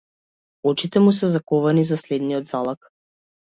Очите му се заковани за следниот залак.